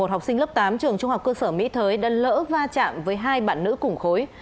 ở tại thư viện một học sinh lớp tám trường trung học cơ sở mỹ thới đã lỡ va chạm với hai bạn nữ cùng khối